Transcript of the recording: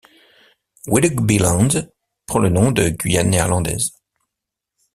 Willoughbyland prend le nom de Guyane néerlandaise.